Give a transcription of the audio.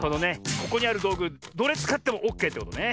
ここにあるどうぐどれつかってもオッケーってことね。